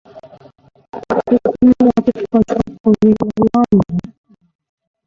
Ikú mu akínkanjú okùnrin lọ lánàá.